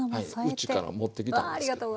うちから持ってきたんですけど。